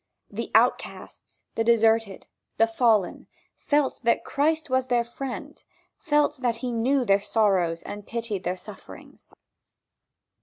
The outcasts, the deserted, the fallen, felt that Christ was their friend, felt that he knew their sorrows and pitied their sufferings.